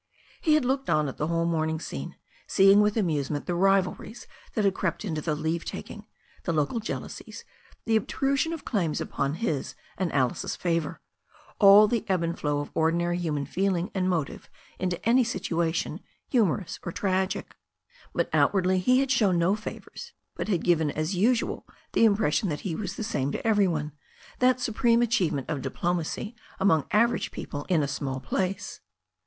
He had looked on at the whole morning scene, seeing with amusement the rivalries that had crept into the leave taking, the local jealousies, the obtrusion of claims upon his and Alice's favour, all the ebb and flow of ordinary human feeling and motive into any situation, humorous or tragic But outwardly he had shown no favours, but had given as usual the impression that he was the same to every one, that supreme achievement of diplomacy among average people in a small place.